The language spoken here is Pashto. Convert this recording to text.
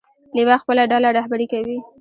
لیوه خپله ډله رهبري کوي.